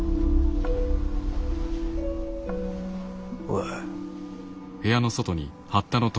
おい。